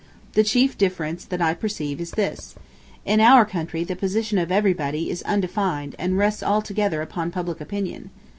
The chief difference that I perceive is this: In our country the position of everybody is undefined and rests altogether upon public opinion.